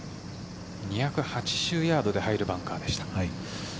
２８０ヤードで入るバンカーでした。